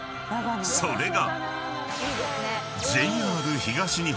［それが］